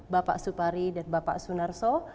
bapak supari dan bapak sunar soh